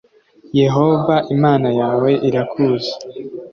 yehova imana yawe irakuzi